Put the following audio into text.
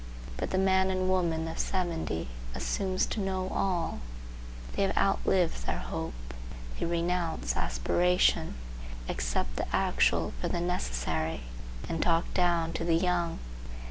But the man and woman of seventy assume to know all, they have outlived their hope, they renounce aspiration, accept the actual for the necessary and talk down to the young.